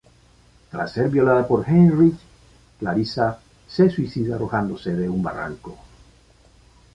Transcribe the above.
Tras ser violada por Heinrich, Clarissa se suicida arrojándose de un barranco.